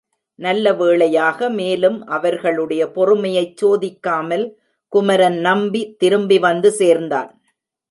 நல்ல வேளையாக மேலும் அவர்களுடைய பொறுமையைச் சோதிக்காமல் குமரன் நம்பி திரும்பி வந்து சேர்ந்தான்.